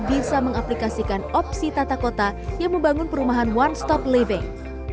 bisa mengaplikasikan opsi tata kota yang membangun perumahan one stop living